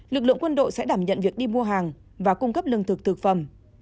lực lượng quân đội sẽ đảm nhận việc đi mua hàng và cung cấp lương thực thực phẩm